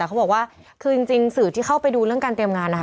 เขาบอกว่าคือจริงสื่อที่เข้าไปดูเรื่องการเตรียมงานนะคะ